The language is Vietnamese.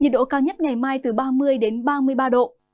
nhiệt độ cao nhất ngày mai từ ba mươi đến ba mươi ba độ